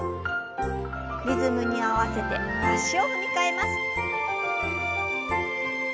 リズムに合わせて足を踏み替えます。